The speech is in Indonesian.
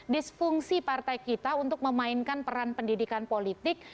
disfungsi partai kita untuk memainkan peran pendidikan politik